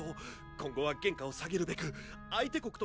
今後は原価を下げるべく相手国と交渉しまして。